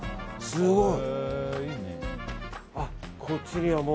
すごい！